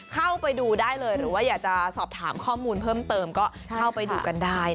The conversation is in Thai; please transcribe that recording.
เข้าไปดูได้เลยหรือว่าอยากจะสอบถามข้อมูลเพิ่มเติมก็เข้าไปดูกันได้